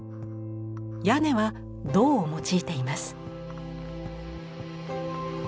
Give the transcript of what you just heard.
屋根は銅を用いています。